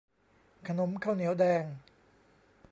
ขนมข้าวเหนียวแดง